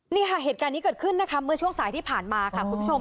นี่ค่ะเหตุการณ์นี้เกิดขึ้นนะคะเมื่อช่วงสายที่ผ่านมาค่ะคุณผู้ชม